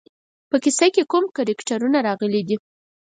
په کیسه کې کوم کرکټرونه راغلي دي.